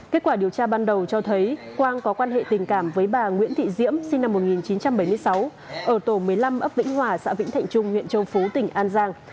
kết quả điều tra ban đầu cho thấy quang có quan hệ tình cảm với bà nguyễn thị diễm sinh năm một nghìn chín trăm bảy mươi sáu ở tổ một mươi năm ấp vĩnh hòa xã vĩnh thạnh trung huyện châu phú tỉnh an giang